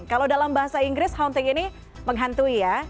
kalau dalam bahasa inggris hounting ini menghantui ya